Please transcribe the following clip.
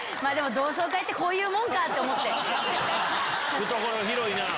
懐広いなぁ。